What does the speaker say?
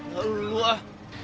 lalu dulu ah